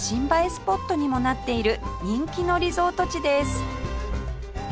スポットにもなっている人気のリゾート地です